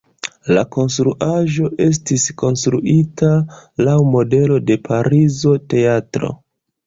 La konstruaĵo estis konstruita laŭ modelo de pariza teatro.